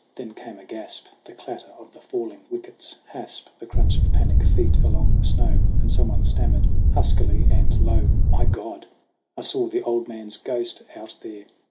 Then came a gasp, The clatter of the falling wicket's hasp, The crunch of panic feet along the snow; And someone stammered huskily and low : "My God! I saw the Old Man's ghost out there!"